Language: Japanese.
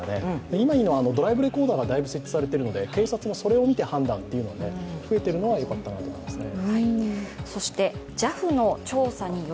今いいのはドライブレコーダーが設置されてるので、両者の意見が増えているのはよかったなと思いますね。